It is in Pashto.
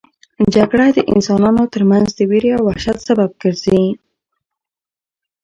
جګړه د انسانانو ترمنځ د وېرې او وحشت سبب ګرځي.